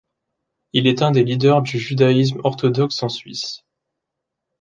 Il est un des leaders du Judaïsme orthodoxe en Suisse.